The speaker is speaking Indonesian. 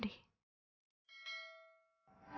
daripada menjelaskan kenapa kita bersedih